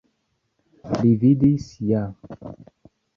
Li vidis ja.